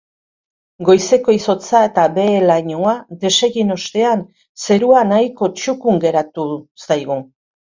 Goizeko izotza eta behe-lainoa desegin ostean, zerua nahiko txukun geratu zaigu.